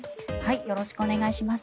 よろしくお願いします。